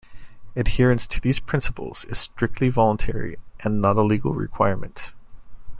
Adherence to these principles is strictly voluntary and not a legal requirement.